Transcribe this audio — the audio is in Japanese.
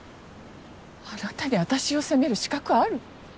あなたに私を責める資格ある？